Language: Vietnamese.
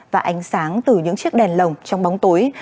và ánh sáng từ những chiếc đèn lồng trong bóng tối